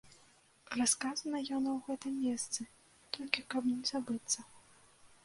Расказана яно ў гэтым месцы, толькі каб не забыцца.